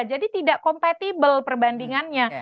jadi tidak compatible perbandingannya